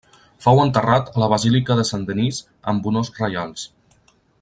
Fou enterrat a la Basílica de Saint-Denis amb honors reials.